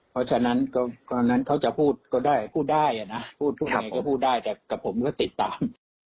เพราะฉะนั้นเขาจะพูดก็ได้นะพูดทุกอย่างก็พูดได้แต่กับผมก็ติดตาม